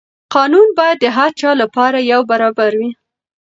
قانون باید د هر چا لپاره یو برابر وي.